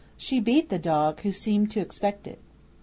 She beat the dog, who seemed to expect it.